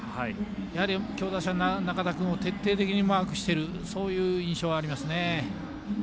やはり強打者、仲田君を徹底的にマークしているそういう印象がありますね。